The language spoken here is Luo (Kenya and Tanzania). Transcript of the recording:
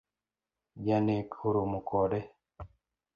Janek oromo kode